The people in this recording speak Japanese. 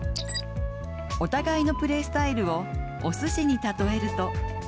お互いのプレースタイルをおすしに例えると？